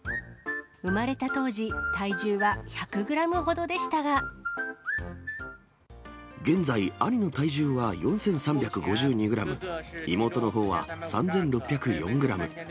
産まれた当時、体重は１００グラ現在、兄の体重は４３５２グラム、妹のほうは３６０４グラム。